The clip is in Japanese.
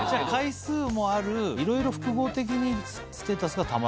回数もあるいろいろ複合的にステータスがたまる？